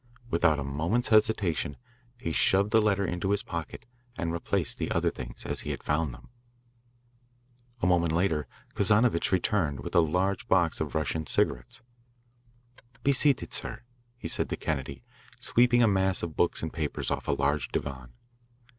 Without a moment's hesitation he shoved the letter into his pocket and replaced the other things as he had found them. A moment later Kazanovitch returned with a large box of Russian cigarettes. "Be seated, sir," he said to Kennedy, sweeping a mass of books and papers off a large divan.